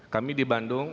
kami di bandung